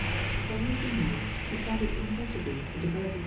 Iry a» he might, he found it impossible to develoo *i *!